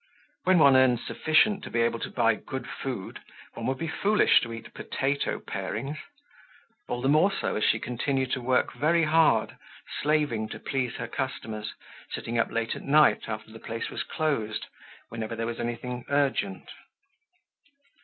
When one earns sufficient to be able to buy good food, one would be foolish to eat potato parings. All the more so as she continued to work very hard, slaving to please her customers, sitting up late at night after the place was closed, whenever there was anything urgent.